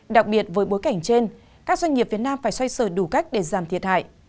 đặc biệt với bối cảnh trên các doanh nghiệp việt nam phải xoay sở đủ cách để giảm thiệt hại